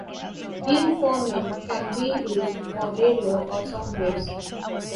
Beamforming can be used for radio or sound waves.